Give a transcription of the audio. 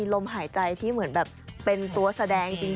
ลมหายใจที่เหมือนแบบเป็นตัวแสดงจริง